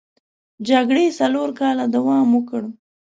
جګړې څلور کاله دوام وکړ.